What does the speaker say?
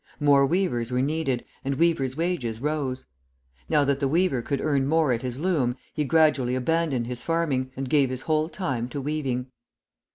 More weavers were needed, and weavers' wages rose. Now that the weaver could earn more at his loom, he gradually abandoned his farming, and gave his whole time to weaving.